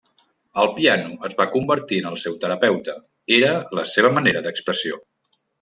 El piano es va convertir en el seu terapeuta, era la seva manera d'expressió.